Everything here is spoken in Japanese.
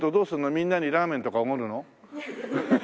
みんなにラーメンとかおごるの？